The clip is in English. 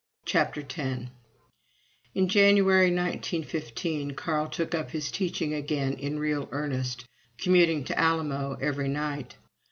CHAPTER X In January, 1915, Carl took up his teaching again in real earnest, commuting to Alamo every night.